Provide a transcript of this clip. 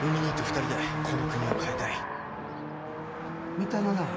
三田のな